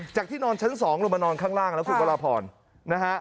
จากที่นอนชั้น๒ลงมานอนข้างล่างแล้วถูกกระลาภรณ์